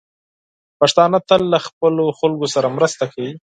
پښتانه تل له خپلو خلکو سره مرسته کوي.